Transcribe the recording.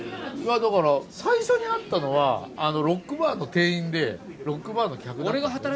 だから最初に会ったのはロックバーの店員でロックバーの客だったんだよね。